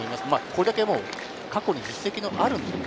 これだけ過去に実績のある。